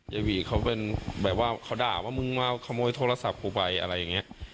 หวีเขาเป็นแบบว่าเขาด่าว่ามึงมาขโมยโทรศัพท์กูไปอะไรอย่างนี้